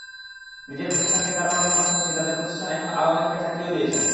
নিজের প্রতিষ্ঠানকে দাঁড় করানোর পাশাপাশি তাঁদের প্রতিষ্ঠানে এখন আরও অনেককে চাকরিও দিয়েছেন।